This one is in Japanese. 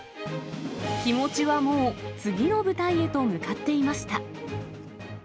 気持ちはもう次の舞台へと向かっていました。